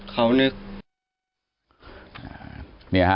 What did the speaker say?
เขานึก